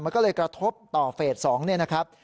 มันก็เลยกระทบต่อเฟส๒เนี่ยนะครับ